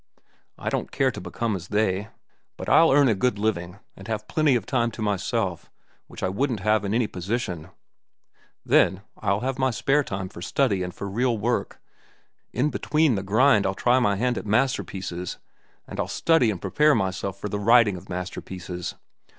I don't care to become as they; but I'll earn a good living, and have plenty of time to myself, which I wouldn't have in any position." "Then, I'll have my spare time for study and for real work. In between the grind I'll try my hand at masterpieces, and I'll study and prepare myself for the writing of masterpieces.